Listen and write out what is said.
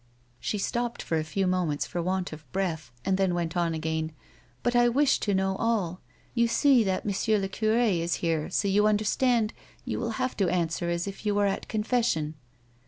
She stopped for a few moments for want of breath, and then went on again :" But I wish to know all. You see that M. le cure is here, so you understand you w'ill have to answer as if you were at confession."